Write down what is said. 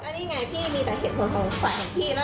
นี่ไงพี่มีแต่เหตุผลของฝ่ายของพี่นะ